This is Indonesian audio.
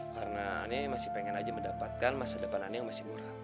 karena aneh masih pengen aja mendapatkan masa depan aneh yang masih murah